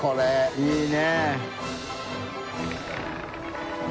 いいね。